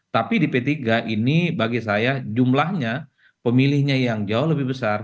tapi di p tiga ini bagi saya jumlahnya pemilihnya yang jauh lebih besar